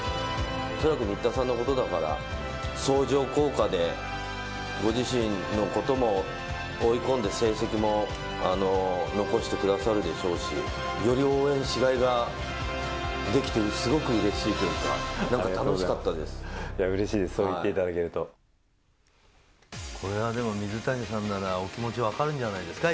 恐らく新田さんのことだから、相乗効果でご自身のことも追い込んで、成績も残してくださるでしょうし、より応援しがいができて、すごくうれしいというか、なんか楽しかうれしいです、これはでも、水谷さんならお気持ちわかるんじゃないですか？